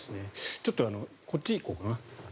ちょっとこっちに行こうかな。